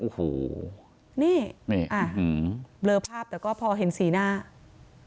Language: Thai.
เบลอภาพนะแต่แต่พอเห็นภาพให้นิดนึง